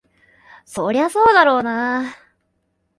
そりゃそうだろうな。